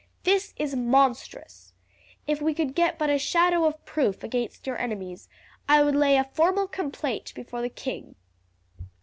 This is monstrous. If we could get but a shadow of proof against your enemies I would lay a formal complaint before the king.